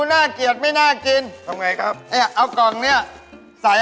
แล้วเขียวหวานกำลังโดยกันคืออะไร